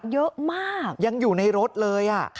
เยอะมากยังอยู่ในรถเลย